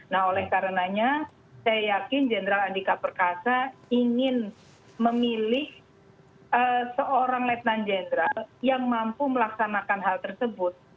nah oleh karenanya saya yakin jenderal andika perkasa ingin memilih seorang letnan jenderal yang mampu melaksanakan hal tersebut